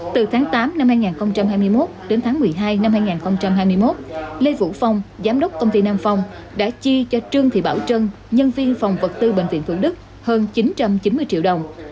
từ tháng tám năm hai nghìn hai mươi một đến tháng một mươi hai năm hai nghìn hai mươi một lê vũ phong giám đốc công ty nam phong đã chi cho trương thị bảo trân nhân viên phòng vật tư bệnh viện thủ đức hơn chín trăm chín mươi triệu đồng